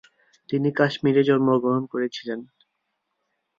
তিনি কাশ্মীরে জন্মগ্রহণ করেছিলেন।